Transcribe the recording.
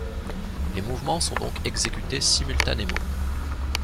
Les mouvements sont donc exécutés simultanément.